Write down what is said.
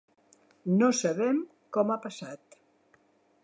No sabem com ha passat.